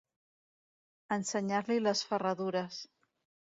Ensenyar-li les ferradures.